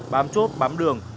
bám chốt bám đường